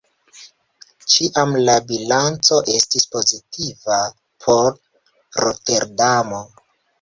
Ĉiam la bilanco estis pozitiva por Roterdamo.